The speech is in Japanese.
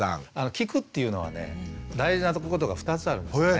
聞くっていうのはね大事なことが２つあるんですね。